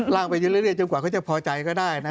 ไปเรื่อยจนกว่าเขาจะพอใจก็ได้นะ